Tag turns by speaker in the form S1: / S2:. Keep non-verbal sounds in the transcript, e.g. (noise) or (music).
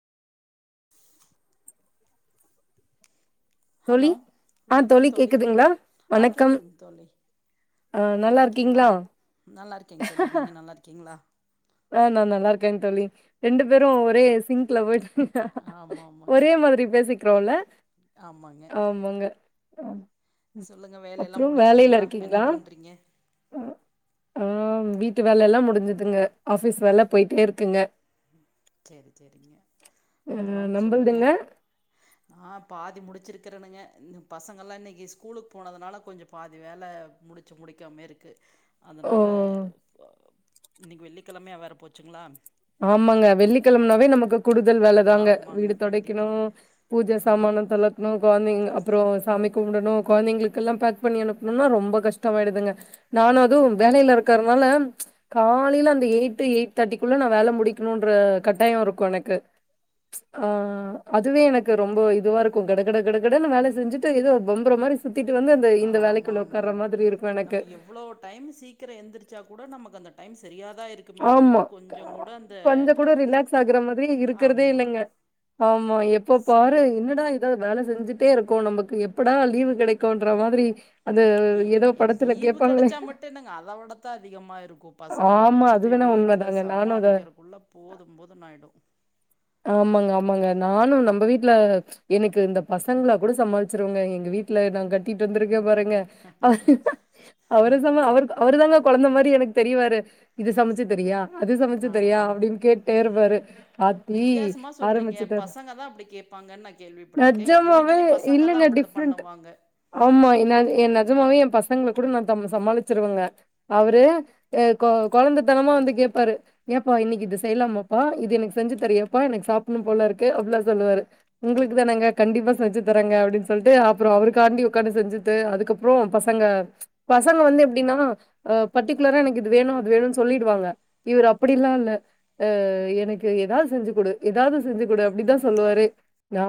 S1: (inaudible)
S2: தோழி
S1: ஹலோ
S2: ஆ
S1: வணக்கம் தோழி
S2: கேக்குதுங்களா
S1: ஆ
S2: வணக்கம்
S1: கேக்குதுங் தோழி
S2: ஆ நல்லா
S1: நல்லாயிருக்கீங்களா
S2: இருக்கீங்களா
S1: நல்லாயிருக்கேங் தோழி நீங்க நல்லாயிருக்கீங்ளா
S2: ஆ நா நல்லா இருக்கே தோழி ரெண்டு பேரு ஒரே சிங்க்ல போய்ட்டு
S1: ஆமா ஆமாங்க
S2: ஒரே மாதிரி பேசிக்கிறோல்ல
S1: ஆமாங்க
S2: ஆமாங்க அ
S1: சொல்லுங்க வேலையெல்லா
S2: அப்புறோ வேலைல
S1: முடிச்சுட்டிங்களா என்ன
S2: இருக்கீங்ளா
S1: பண்றீங்க
S2: அ ஆ வீட்டு வேல எல்லா முடிஞ்சுதுங்க ஆஃபிஸ் வேல போயிட்டே இருக்குங்க
S1: செரி செரிங்க
S2: ஆ
S1: அப்புறம் சொல்லுங்க
S2: நம்பள்துங்க
S1: ஆ பாதி முடிச்சிருக்கிறேன்னுங்க இ பசங்கள்லா இன்னைக்கி ஸ்கூலுக் போனதுனால கொஞ்சோ பாதி வேல முடிச்சு முடிக்காம இருக்கு அதனால
S2: ஓ
S1: இன்னைக்கி வெள்ளிக்கெழமையா வேற போச்சுங்ளா
S2: ஆமாங்க வெள்ளிக் கெழம்னாவே நமக்கு கூடுதல் வேல தாங்க
S1: ஆமாங்க
S2: வீடு தொடைக்கணு
S1: கண்டிப்பா
S2: பூஜை சாமான
S1: ஆமா
S2: தொளத் ணு கொழந்தைங்க அப்றோ சாமி கும்டணு கொழந்தைங்களுக்குல்லா பேக் பண்ணி அனுப்ணுனா ரொம்ப கஷ்டமாய்டுதுங்க நானு அது வேலைய்ல இருக்கற்னால காலில அந்த எய்ட்டு எய்ட் தட்டிக்குள்ள நா வேல முடிக்ணுன்ற கட்டாயோ இருக்கு எனக்கு ஆ அதுவே எனக்கு ரொம்ப இதுவா இருக்கு கடகட கடகடன்னு வேல செஞ்சுட்டு எதோ பம்பற மாரிஸ் சுத்திட்டு வந்து அந்த
S1: ஆ
S2: இந்த
S1: ஆமா
S2: வேலைக்குள்ள உகாகாற
S1: ஆமாங்க.
S2: மாதிரி இருக்கு
S1: நம்ம
S2: எனக்கு
S1: எவ்ளோ டைம் சீக்கிர எந்திரிச்சா கூட நமக்கு அந்த டைம் சரியாதா இரு
S2: ஆமா க கொஞ்ச கூட ரிலாக்ஸ் ஆகுற மாத்ரி இருக்குற்தே
S1: ஆமா.
S2: இல்லங்க ஆமா எப்போ பாரு
S1: சரியா இருக்கும்.
S2: என்னடா இவ் த வேல செஞ்சிட்டே இருக்கோ நமக்கு எப்படா லீவு கெடைக்கோன்ற மாதிரி அது
S1: எங்
S2: ஏதோ
S1: எ
S2: படத்துல
S1: லீவு
S2: கேட்பாங்களே.
S1: கெடச்சா மட்டு என்னங்க அத விடத்தா அதிகமா இருக்கு பசங்கள
S2: ஆமா.
S1: வச்சுட்
S2: அது
S1: டு
S2: வேணா
S1: வீட்டுல
S2: உண்மைதாங்க. நானும் அத
S1: சமாளிக்கரக்குள்ள போதும் போதுன் ஆய்டு
S2: ஆமாங்க ஆமாங்க நானு நம்ப வீட்ல எனக்கு இந்த பசங்ள கூட சமாளிச்சிருவங்க எங்க வீட்ல நா கட்டிட் வந்துருக்கே பாருங்க அவரு சமா அவர் அவருதாங்க கொழந்த மாரி எனக் தெரியவாரு இது சமச்சு தரியா அது சமச்சு
S1: ஆ
S2: தரியா அப்டின் கேட்டே இருப்பாரு ஆத்
S1: வித்யாசமா சொல்றீங்க பசங்க தா அப்படி கேப்பாங்கு நா கேள்விப்பட்ருக்கை எங்க
S2: நிஜமாவே
S1: வீட்லே பசங்க தா
S2: இல்லங்க
S1: அப்டதம்
S2: டிஃப்ரெண்ட்.
S1: பண்ணுவாங்க
S2: ஆமா என் நான் எ நெஜமாவே ய பசங்ள கூட நா தம் சமாளிச்சிருவுங்க அவரு எ கோ கொழந்த தனமா வந்து கேப்பாரு ஏப்பா இன்னிக்கி இது செய்லாமாப்பா இது எனக் செஞ்சு தரியாப்பா எனக் சாப்ணு போல இருக்கு அப்புலா சொல்லுவாரு உங்ளுக் தானங்க கண்டிப்பா செஞ்சு தரேங்க அப்டின் சொல்ட்டு அப்றோ அவருக்காண்டி உக்காந்து செஞ்சுட் ட்ரு அதுக்கப்றோ பசங்க பசங்க வந்து எப்டின்னா அ பட்டிக்குலரா எனக் இது வேணு அது வேணு சொல்லிடுவாங்க இவர் அப்படில்லா இல்ல அ எனக்கு ஏதாவ் செஞ்சு குடு ஏதாவ்து செஞ்சு கொடு அப்டிதா சொல்லுவாரு